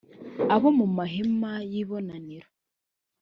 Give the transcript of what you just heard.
abo mu mahema y’ibonaniro